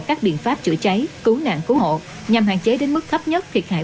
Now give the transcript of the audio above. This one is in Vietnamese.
các biện pháp chữa cháy cứu nạn cứu hộ nhằm hạn chế đến mức thấp nhất thiệt hại